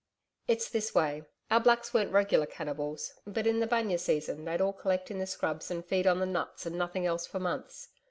'It's this way. Our blacks weren't regular cannibals, but in the bunya season they'd all collect in the scrubs and feed on the nuts and nothing else for months.